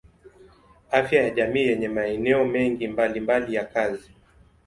Afya ya jamii yenye maeneo mengi mbalimbali ya kazi.